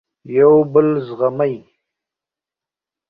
یو بل زغمئ.